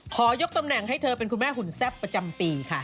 ยกตำแหน่งให้เธอเป็นคุณแม่หุ่นแซ่บประจำปีค่ะ